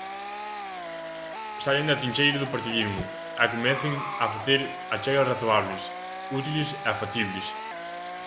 Saian da trincheira do partidismo e comecen a facer achegas razoables, útiles e factibles.